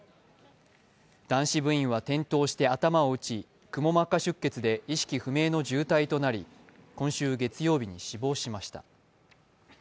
男子部員は転倒して頭を打ちくも膜下出血で意識不明の重体となり今週月曜日に死亡しました。